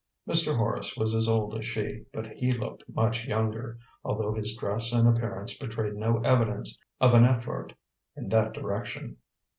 Mr. Horace was as old as she, but he looked much younger, although his dress and appearance betrayed no evidence of an effort in that direction.